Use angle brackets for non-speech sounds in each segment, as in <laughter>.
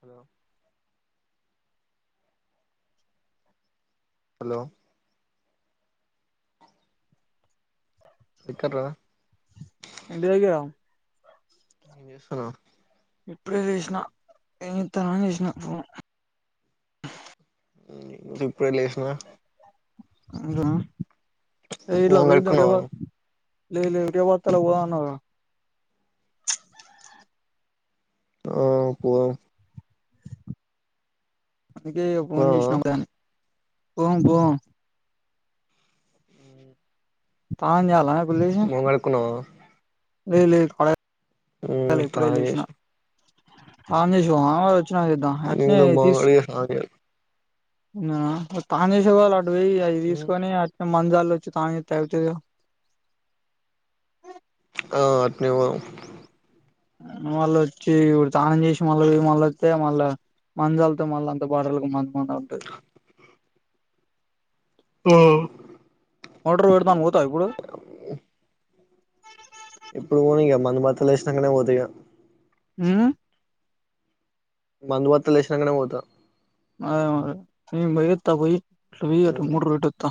Hello hello ఎక్కడ్రా ఇ దయి గ స్తన్నా ఇప్పుడే చేసినా ఎ తన చేసినాప్పు చ ఇప్పుడే లేసిన అవుద ఇలా మొహం కడుక్కున్నావా రత త వా ఆ పోదం అందుకే ఫోన్ పోదామా చేసినా ఒక దాన్ని పో పో తాజాల మంగడుకున్నా లే లే తానేష అందిష నంగ్ మంగ సా తనేల అ పో అది తీసుకొని అ మన జలో వచ్చ కా చె టతు ఆ అట్నేవా మళ్ళ వచ్చి ఇప్పుడు స్నానం చేసి మళ్ళీ మళ్ళ వస్తే మళ్ళా మంాలతో మళ్ళీ అంత బాటలు మ ఉంటంది ఆడర్ పెడదాను పోతా ఇప్పుడు ఇప్పుడు పోనీ ఇక మందు భర్తలు వేసినాకనే పోత ఇక అ మందు వత లేసినాకనే పోతా అే మ బయ త పోయి ఇ మూడు ర రటత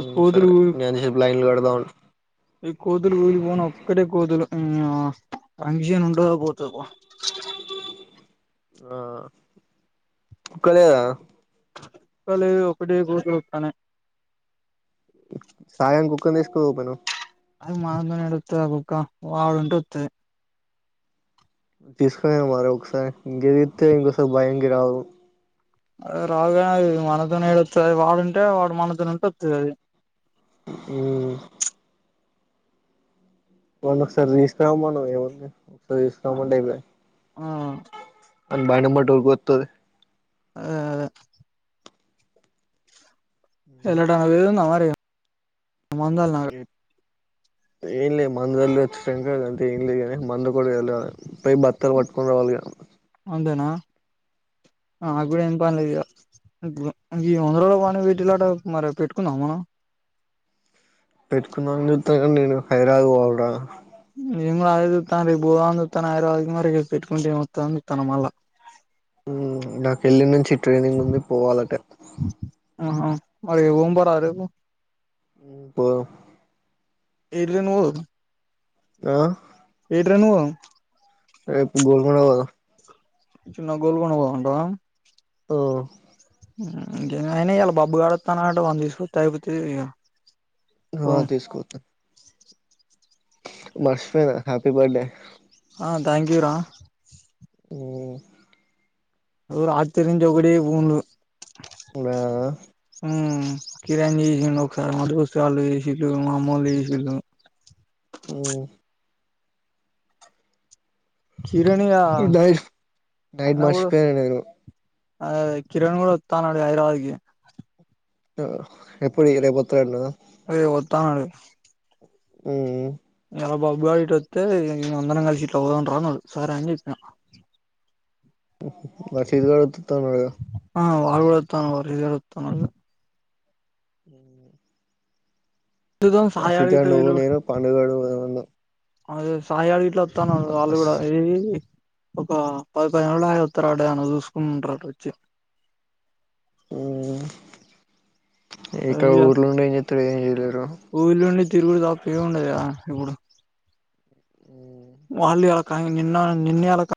ఈ కోదులు సరే గంతసేపు లైన్లు కడదాం ఉండు ఈ కోదులు కూఊలి పోన ఒక్కటే కోదులు ఉమ్ ఆ పర్మిషన్ ఉంటదో పోతుదో పో ఆ అక్క లేదా కలి ఒక్కటె కోతులు అత్తనాయ్ సాయం కుక్కన్ తీసుకుపో పోయినవ్ అ అన్న నడు కుక్క వాడు ఉంటె అత్తది <inaudible> తీసుకునే మరి ఒకసారి ఇంకేద్ధితే ఇంకోసారి భయం కి రావు <inaudible> అది రాదు అది మనతోనే ఏడోస్తది. వాడుంటే వాడు మనతోనే ఉంటే అత్తది అది ఉమ్ వాళ్లను ఒకసారి తీసుకురామనవ్ ఏముంది అట్ల తీసుకొపో అంటే ఐపోయే ఆ అది బండి ఎమ్మట ఉరుక్కతది. అదే అదే ఎల్లడం వీల్ ఉందా మరి అ మందాగలనా ఆడ్ <inaudible> ఏంలే మందుల్ వచ్ శంకర్ అంత ఏం లేనీ మందు కూడా వెళ్ళ పయి బత్తలు పట్టుకుని రావాలిగా ఉండేనా ఆ నాకు గుడ ఏం పన్లేదిగా ఈ వంద రోజుల పని పెట్టిలట మరి పెట్టుకుందామ మనం పెట్టుకుందామని చుత్తన్న కని నేను హైదరాబాద్ పోవాలి రా నేను గుడ అదే చూతాన రేపు పోవాలని చుతనా అని హైదరాబాద్ కి పెట్టుకుంటే ఏమోత్తంది అని చూతన మళ్ళా ఉమ్ నాక్ ఏళ్ళిన్ నుంచి ట్రైనింగ్ ఉంది పోవాలటె ఆహా మరి వంపరా రేపు ఉమ్ పో ఇడ్లీ నో <inaudible> అ ఎటుర నువ్ రేప్ గోల్కొండ పోదాం చిన్న గోల్కొండ పోదాం అంటవా ఓ ఉమ్ ఇంకే అయనా ఇలా బబ్బు గాడు అత్తనాడట వాన్ని తీసుకొతే అయిపోతది ఇక ఆ తీసుకోతా మర్షిపోయిన హ్యాపీ బడ్డే ఆ థాంక్యూ యూ రా ఉమ్ ఓ రాత్రి నుంచే ఒకడే ఫోన్లు రా ఉమ్ కిరణ్ చేసిండు ఒకసారి మధు వస్తే వాళ్ళు చేసిళ్లు మా అమ్మోళ్ళు చేసిళ్ళు ఓ కిరణ్ ఇగ ఇప్పుడు నైట్ నైట్ ఆయన కూడా మర్చిపోయన నేను అదే అదే కిరణ్ కూడా అత్త అన్నడు హైదరాబాద్ కి ఎప్పుడు రేప్ ఒత్తరంటన అరే ఒత్తానాడు ఊమ్ అలా బాబ్ గారు ఇటు వత్తే ఇక అందరం కలిసి ఇట్ల పోదాం రా ఒకసారి అని చెప్పినా మ శీనుగాడు ఒత్తతవున్నాడుగా ఆ వాళ్ళు ఒత్తతన్నారు, ఈళ్లు వత్తతున్నారు. చూద్దాం ఆ సాయి సీత అడిగితే నువ్వు నేను పాండుగాడు పోదాం అన్నా అయితే సాయిగాడు ఇట్లా వస్తనరు వాళ్ళు కూడా ఈ ఒక పది పది రోజులు ఆగి వత్తరు అట్టనే చూసుకుంటరు అటు వచ్చి ఊమ్మ్ ఇక ఊర్లో ఉండి ఏం చేత్తరు ఏమి చేయలేరు. తిరుగుడుతాప్ ఏమి ఉండద ఈడ ఇబుడు వాళ్లే ఆక్ కానీ నిన్న నిన్న అళ్ళక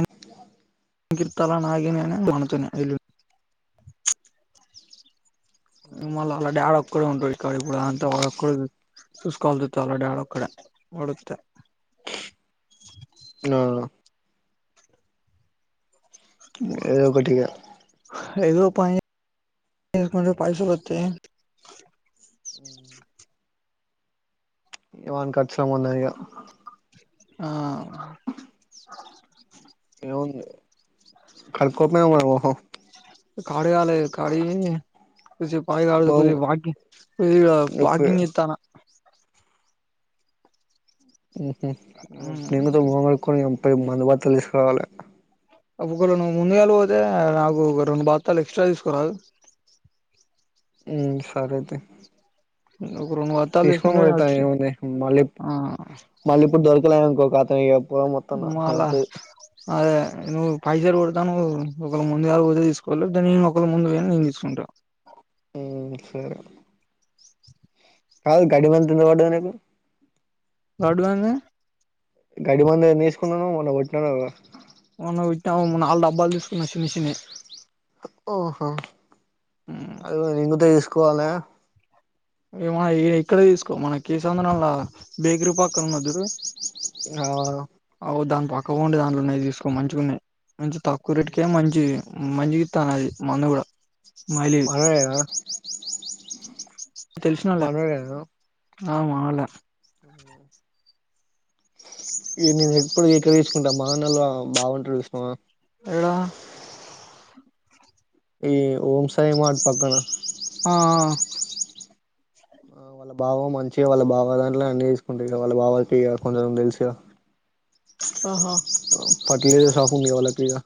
అ గిర్తల నాగి నేను దునుతనే మల్ అలా డా ఆడ ఇక్కడే ఉంటడు ఇంకేడికి పోడు అంత వాడొక్కడే చూసుకోవాల్సొత్తది ఆళ్ల డాడ్ ఒక్కడే వాడొత్తే నానా ఏదో ఒకటిఇగా ఏదో పను చేసుకుంటే పైసలు వత్తాయి ఉమ్ వాని ఖర్చ్ ఏం ఉండదు ఇక ఆ ఏముంది కడుక్కోకపోయావా మరి మొహం కార్యాలయ కార్యే కొసేపాగి ఆడుదాం మొహం కొద్దిగ వాకింగ్ కొద్దిగ నొప్పి వాకింగ్ చేత్తనా ఉహు నిమ్మ తో మొఖం కడుక్కోనీయం రేపు మందుబాటల్లు తీసుకురావాలి. ఒకగుణ ను్వు ముందుగాల పోతే నాకు ఒక రెండు బాత్తాలు ఎక్స్ట్రా తీసుకోరాదు ఉ సరే ఐతే ఒక రెండు బత్తాలు తీసుకొని తీసుకుంటే నేను పెడతా వచ్చి ఏముంది మళ్ళీ ఆ మళ్ళీ ఇప్పుడు దొరకలే అనుకో కత అయ్యో మాలా అదే నువ్వు పైజర్ కొడతాను ఒకళ ముందుగ పోతే తీసుకో లేద నే ఒకళ ముందు పోయిన నేను తీసుకుంటా హుం సరే కాదు గడిమెంతుని ఎంత పడ్డది నీకు కరెక్ట్ గా ఉంది గడ్డి మందు ఏం చేసుకున్నావ్ మొన్న కొట్టినావ్ గదా మొన్న వెట్టావు మొన్న వాళ్ళ డబ్బాలు తీసుకున్న చిన్న చిన్నయి ఓహో అది గుడ తీసుకోవాలి ఇ మ ఎ ఎక్కడే తీసుకో మనకే సంవత్సరం రాల బేగ్రూ పాకం మధుర్ ఆ అవ్దా పక్క ఉండి దాన్లోనే తీసుకో మంచి గున్నాయ్ మంచి తక్కువ రేటుకే మంచి మంచి గిత్త అన్నది మందు కూడా మై లీవ్ మనోడేనా తెలిసినోళ్లే మనోడేనా ఆ మావోల్లే ఇగ నే ఎప్పుడు లీటర్ వైజ్ ట మానల బాగుంటడు చూసినవా లా ఈ హోమ్ సైడ్ మా ఆ వాళ్ళ బావ మంచిగా వాళ్ళ బావ దాంట్లో అన్ని తీసుకుంటారు వాళ్ళ బావకి ఇగ కొంచెం తెలుసుగా ఆహా ఫెర్టిలైజర్స్ షాప్ ఉంది కదా వాళ్ళకి ఇగా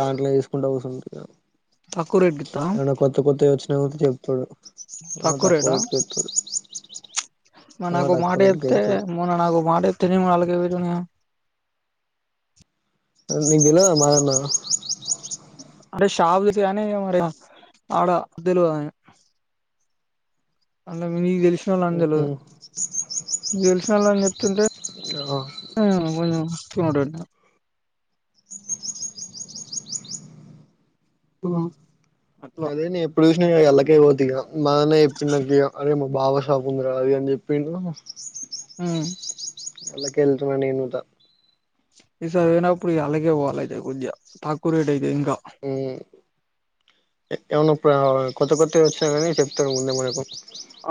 దాంట్లో చూసుకుంటూ కుసున్ ఇ తక్కువ రేట్ ఉందా రేట్ చెప్తడు తక్కువ్ రేట్ ఆ మరి ఆ నాకో మాట తక్కువ రేటుకే చెప్తే ఎత్తుడు మొన్న నాకో మాట్ తినేవి ఆల్గే విధంగా నీకు తెల్వదా మాదన్న అరే షాప్ ఉంది గాని అడ తెల్వదు అన్న మినీ తెల్ తెలిసినోళ్లని ఉహు తెల్వదు మీకు తెల్సినోళ్లని అని చెప్తుంటే కొంచెం కొంటాను హుమ్ అట్లా అదేని ఎప్పుడు నే అల్లకే పోతిగా మా అన్నయ్ చెప్పిండంట ఇగ అరే మా బావ షాప్ ఉంది అని చెప్పిండు హుమ్ కెల్తుమనింత ఈసార్ పోయినప్పుడు ఇగ ఆలకే పోవాలి అయితే కొద్దిగా తక్కువ రేట్ అయితది హుమ్ ఏమన్ననా కొత్త కొత్త వచ్చినా కాగానీ చెప్తారు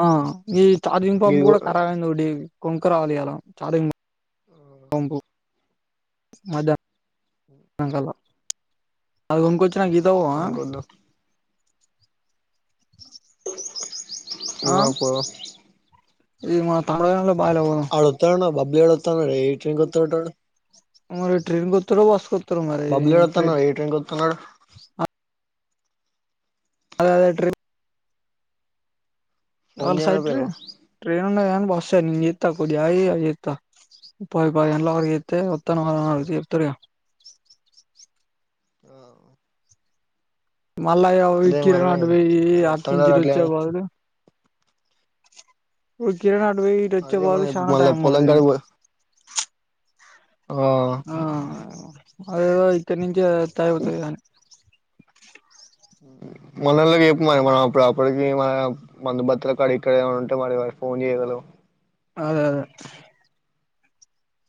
ఆ ఈ చార్జింగ్ పంప్ గిదిగో కూడా కరాబ్ అయింది నోడివి కొంకరావాలియాల చాదింగ్ అంబు మదా రంగాల్లో ఆది ఒంకొచ్చిన ఈతకి పోవ ఆ కొనుక్కొద్దాం నాక ఈ మాత పొలం ల బాయ్ లేకి పోదాం వాడు ఒత్తాాడు ఏ ట్రైన్ క్ ఒత్తానడు వాడు ట్రైన్ ఒత్తడో బస్ కొత్తడో బబ్లూ గాడు ఒత్తన్నాడుట ఏ ట్రైన్కి వస్తున్నాడు అద అదే ఏ ట్రైన్ ఫోన్ వాడు స్ట్రెయిట్ ర చేయకపోయినవ్ ట్రైన్ బస్ా జతా కొయి జత ప పలో ఒత్తను ఆ ఎప్తలె ఆ మళ్ళా మరి కిరణడు గాడు పోయి అటునుంచి ఆడొత్తాండట అట్లే ఇటుఒచ్చే బదులు ఉట్టినె య్ ఇటచ్చే అదే వరకు మనం చానా మళ్ళా టైమ్ పడు పొలం కాడికి పో ఆ అదేదో ఇక్కడ నించే టైమ్ అవుతుంది కాని మనల్లకి చెప్పు మరి మనం అప్పుడు అప్పటికి మందు భతుల కాడ ఇక్కడ ఏమ ఉంటే మరి మరి ఫోన్ చేయగల అదే అదే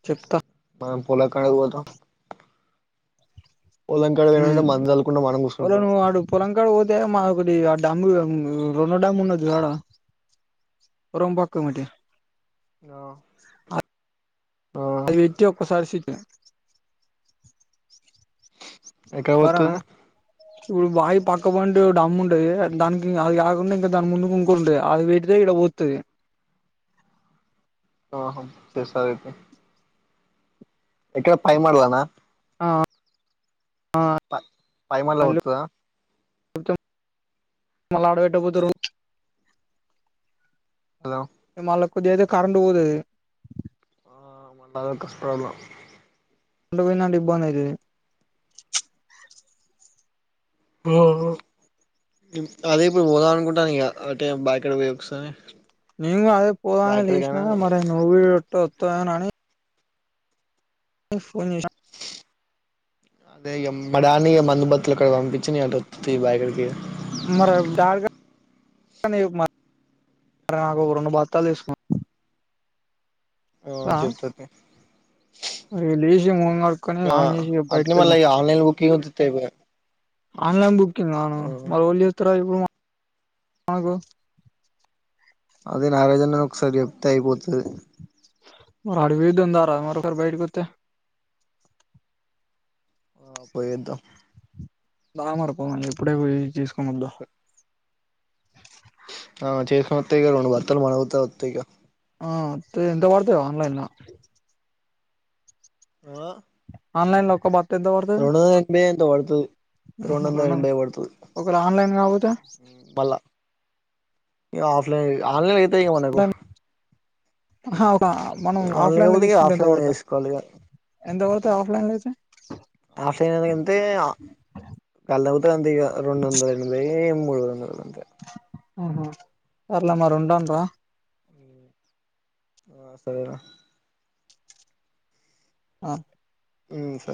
చెప్తా మళ్ళా పోలకుండా పోతాం పొలం కాడ పోయినంటే మ్ మందు చల్లుకుంటా మనం కూసుంటాం వాలను ఆడ పొలంకాడ పోతే మా ఒకటి డ్యామ్ కూడా రెండు డ్యామ్ ఉన్నది చూడు పొలం పక్కకి ఆ ఆ అది వెట్టి ఒక్కసారి సట్ ఎక్కడ కు సరేనా పోతన్నావ్ ఇప్పుడు బావి పక్కపొంట డమ్ ఉంటది దానికి అది కాకుండా ఇంకా దాని ముందు ఇంకకో ఉంటది అది పెడితే ఇక్కడ పోతుంది ఆహో తెస్తారైతే ఎక్కడ పై మాడ్లాన ఆ ప పైమాల్లా వత్తుదా కొంచెం మళ్ళాడ పెట్టపోతుర్రు హలో మళ్ళ కొది ఐతే కరెంటు పోతది ఆ మళ్ళ అదొ <inaudible> ప్రాబ్లం <inaudible> పోయిందంటే ఇబ్బందైతది అదే ఇప్పుడు పోదాం అనుకుంటాను ఇగ అ టే బాయికాడ పోయి ఒకసారి నేం గూడా అదే పోదా అనే బాయికాడికైనా లేషినా మరే నువ్ <inaudible> ట్టొత్త <unintelligible> నని <inaudible> ఫోన్ <inaudible> అదే యమ్మడాని య మందు బత్తులుగాడ పంపిచ్చి నే అటొ త్ బాయగకి మరి డాడీ నాకు <unintelligible> రెండు భార్తాలు ఎ సుకున్న ఆ చెప్తా తీ లేసి మొఖం కడుకొని ఆ స్నానం చేసి అట్నే బయటకి మళ్ళ వెళ్దాం ఇగ ఆన్లైన్ బుకింగ్ ఉత్తిత్తే అయిపోయే ఆన్లైన్ బుకింగ్ <unintelligible> ఆ ఆగో అదే నారోజన్నని ఒకసారి చెప్తే అయిపోతది మరి హడవి దందారా మరోకరు బైటకుతే ఆ పోయి ఎంత బా మరిపోం ఇప్పుడే పో తీస్ ముద్ద ఆ చేస వత్తగా రెండు భర్తలు మనవుతా వస్తా ఇగ ఆ ఎంత పడతాయో ఆన్లైన్లో ఆ ఆన్లైన్ లో ఒక బ అనాన్ది ద పడ్తది రెం ఒకరు ఆన్లైన్ కాకపోతే య ల ఆన్లై లేతా క మనకు అవు హా మనం ఆన్లైన్ ఆఫ్లైన్ లో కాకపోతే ఇగ తీసుకుంటే ఎంత ఆఫ్లైన్ లో పడతాం చేసుకోవాలి ఇగ ఎంత పడ్ త ఆఫ్ లైన్ లో అయితే ఆఫ్లైన్ కెల్తే ట్వెల్వ్ అవుతది అంతే ఇగ రెండు వందల ఎనభై ఏమ్ మూడు వందలు అంతే హు హూ పర్లా మరి ఉండాన్ రా నువ్ వస్తలేవా ఆ హూ స